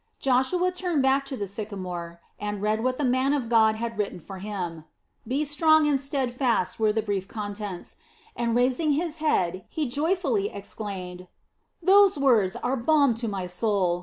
Joshua turned back to the sycamore and read what the man of God had written for him. "Be strong and steadfast" were the brief contents, and raising his head he joyfully exclaimed: "Those words are balm to my soul.